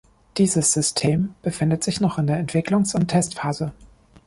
Dieses System befindet sich noch in der Entwicklungs- und Testphase.